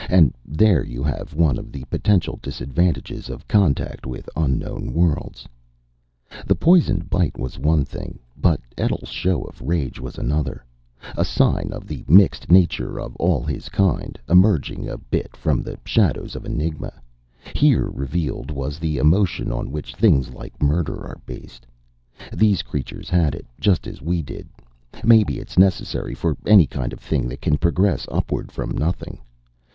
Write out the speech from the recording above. And there you have one of the potential disadvantages of contact with unknown worlds. That poisoned bite was one thing. But Etl's show of rage was another a sign of the mixed nature of all his kind, emerging a bit from the shadows of enigma. Here revealed was the emotion on which things like murder are based. These creatures had it, just as we did. Maybe it's necessary for any kind of thing that can progress upward from nothing.